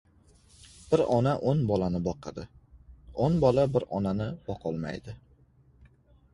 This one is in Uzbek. • Bir ona o‘n bolani boqadi, o‘n bola bir onani boqolmaydi.